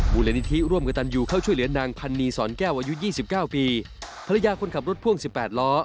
บูรณนิธิร่วมกับตำอยู่เข้าช่วยเหลือนางพันนีสอนแก้วอายุ๒๙ปีภรรยาคนขับรถพ่วง๑๘ล้อ